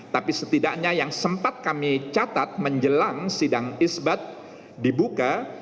tapi setidaknya yang sempat kami catat menjelang sidang isbat dibuka